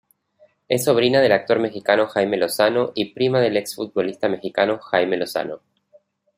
Es sobrina del actor mexicano Jaime Lozano y prima del exfutbolista mexicano Jaime Lozano.